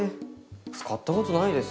使ったことないですね。